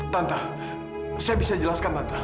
tante saya bisa jelaskan tante